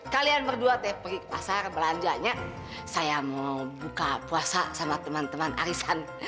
kalian berdua teh pergi ke pasar belanjanya saya mau buka puasa sama teman teman arisan